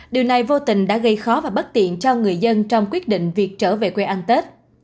điều này vô tình đã gây khó và bất tiện cho người dân trong quyết định việc trở về quê ăn tết